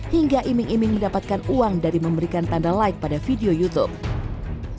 hingga iming iming mendapatkan uang dari memberikan tanda like pada video youtube